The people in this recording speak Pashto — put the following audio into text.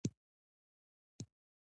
هر ماښام به وو ستومان کورته راغلی